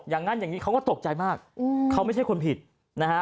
อย่างนั้นอย่างนี้เขาก็ตกใจมากเขาไม่ใช่คนผิดนะฮะ